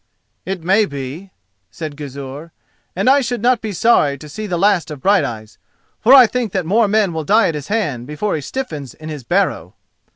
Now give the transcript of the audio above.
"It may be," said Gizur, "and I should not be sorry to see the last of Brighteyes, for I think that more men will die at his hand before he stiffens in his barrow."